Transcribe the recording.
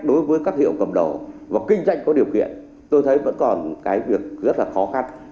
đối với các hiệu cầm đầu và kinh doanh có điều kiện tôi thấy vẫn còn cái việc rất là khó khăn